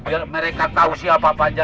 biar mereka tahu siapa pak jaya